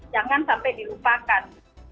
jangan sampai dilupakan